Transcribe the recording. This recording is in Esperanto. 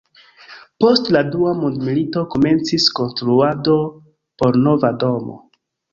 Post la Dua Mondmilito komencis konstruado por nova domo.